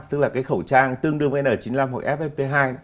tức là cái khẩu trang tương đương với n chín mươi năm hoặc ffp hai